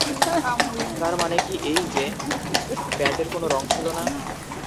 তার মানে কি এই যে, প্যান্টের কোনো রঙ ছিল না।